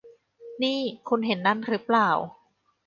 นี่ คุณเห็นนั่นรึเปล่า